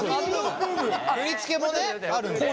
振り付けもねあるんだね。